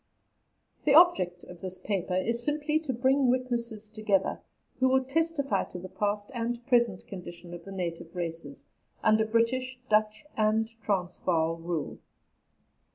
The object of this paper is simply to bring witnesses together who will testify to the past and present condition of the native races under British, Dutch, and Transvaal rule.